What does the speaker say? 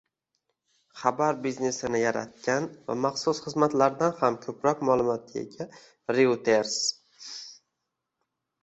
Xabar biznesini yaratgan va maxsus xizmatlardan ham ko‘proq ma’lumotga ega Reuters